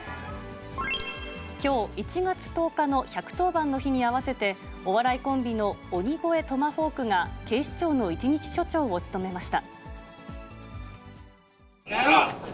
きょう１月１０日の１１０番の日に合わせて、お笑いコンビの鬼越トマホークが、警視庁の一日署長を務めました。